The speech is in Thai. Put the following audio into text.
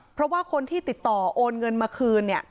เพราะว่าคนที่ติดต่อโอนเงินมาคืนเนี่ย